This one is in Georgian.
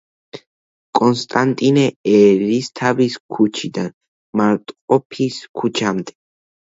კონსტანტინე ერისთავის ქუჩიდან მარტყოფის ქუჩამდე.